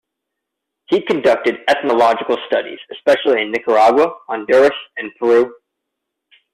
He conducted ethnological studies, especially in Nicaragua, Honduras and Peru.